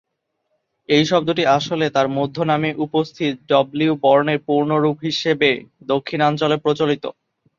এই শব্দটি আসলে তার মধ্য নামে উপস্থিত ডব্লিউ বর্ণের পূর্ণ রূপ হিসেবে দক্ষিণাঞ্চলে প্রচলিত।